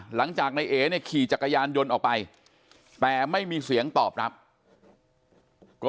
หลังจากนายเอ๋เนี่ยขี่จักรยานยนต์ออกไปแต่ไม่มีเสียงตอบรับก็